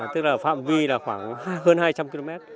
tức là phạm vi là khoảng hơn hai trăm linh km